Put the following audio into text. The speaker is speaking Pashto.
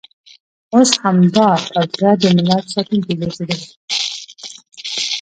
اوس همدا توطیه د ملت ساتونکې ګرځېدلې.